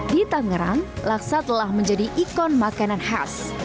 di tangerang laksa telah menjadi ikon makanan khas